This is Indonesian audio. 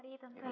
hari itu mbak